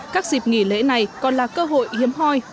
các dịp nghỉ lễ này còn là cơ hội hiếm hoi